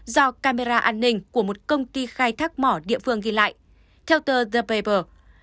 do camera an ninh của một công ty khai thác mỏ địa phương ghi lại theo tờ the per